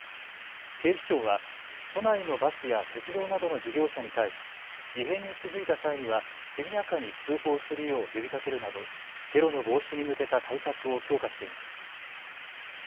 警視庁は都内のバスや鉄道などの事業者に対し異変に気付いた際には速やかに通報するよう呼びかけるなどテロの防止に向けた対策を強化しています。